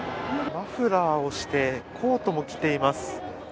マフラーをしてコートも着ています。